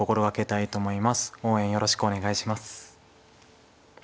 応援よろしくお願いします。